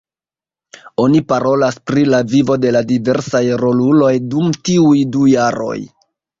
Oni parolas pri la vivo de la diversaj roluloj dum tiuj du jaroj.